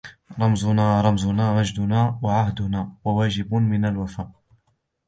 رَمْــــــزُنا رَمْــــــزُنا مَـجدُنا وعـهدُنا وواجـبٌ منَ الوَفا